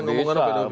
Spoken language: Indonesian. kita tidak bisa